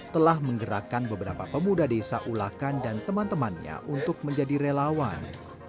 telah menggerakkan beberapa pemuda desa ulakan dan teman temannya untuk menjadi relawan